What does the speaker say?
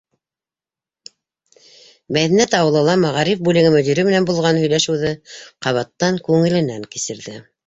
Мәҙинә Таулыла мәғариф бүлеге мөдире менән булған һөйләшеүҙе ҡабаттан күңеленән кисерҙе: